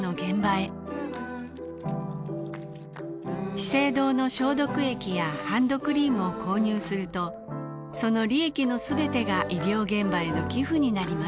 資生堂の消毒液やハンドクリームを購入するとその利益のすべてが医療現場への寄付になります